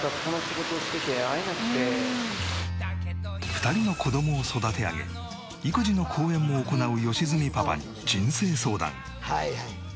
２人の子どもを育て上げ育児の講演も行う良純パパに人生相談。